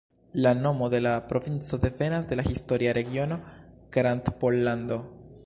La nomo de la provinco devenas de la historia regiono Grandpollando.